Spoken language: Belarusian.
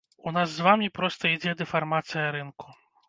У нас з вамі проста ідзе дэфармацыя рынку.